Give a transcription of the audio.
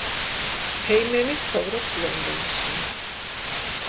ჰეიმენი ცხოვრობს ლონდონში.